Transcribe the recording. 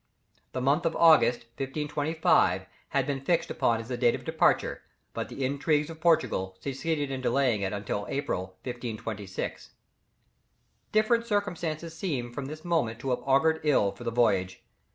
The month of August, 1525, had been fixed upon as the date of departure, but the intrigues of Portugal succeeded in delaying it until April, 1526. Different circumstances seem from this moment to have augured ill for the voyage.